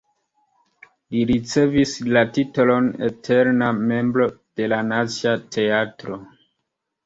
Li ricevis la titolon eterna membro de la Nacia Teatro.